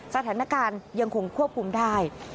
สถานการณ์ยังคงควบคุมได้